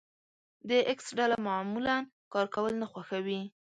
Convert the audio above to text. د ايکس ډله معمولا کار کول نه خوښوي.